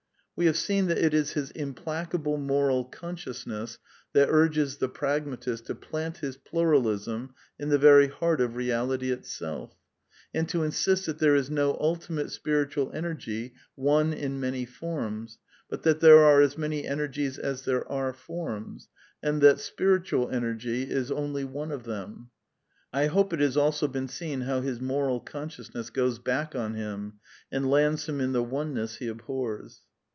We have seen that it is his implacable moral conscious ness that urges the Pragmatist to plant his Pluralism in the very heart of reality itself ; and to insist that there is no ultimate spiritual energy, one in many forms, but that there are as many energies as there are forms, and that spiritual energy is only one of them. I hope it has also been seen how his moral consciousness goes back on him, and lands him in the oneness he abhors.